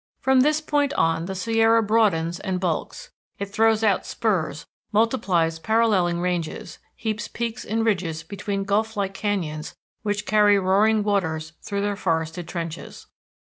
From this point on the Sierra broadens and bulks. It throws out spurs, multiplies paralleling ranges, heaps peaks and ridges between gulf like canyons which carry roaring waters through their forested trenches.